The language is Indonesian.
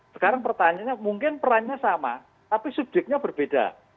sekarang pertanyaannya mungkin perannya sama tapi subjeknya berbeda